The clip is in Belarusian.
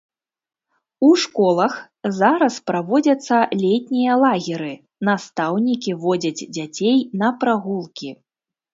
У школах зараз праводзяцца летнія лагеры, настаўнікі водзяць дзяцей на прагулкі.